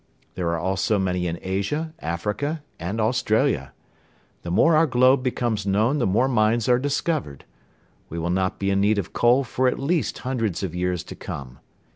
There are also many in Asia, Africa, and Australia. The more our globe becomes known the more mines are discovered. We will not be in need of coal for at least hundreds of years to come.